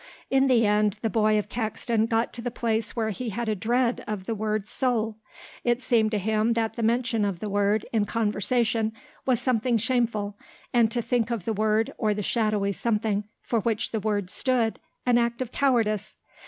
In the end the boy of Caxton got to the place where he had a dread of the word soul. It seemed to him that the mention of the word in conversation was something shameful and to think of the word or the shadowy something for which the word stood an act of cowardice.